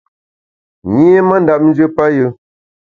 Nyi mandap njù payù.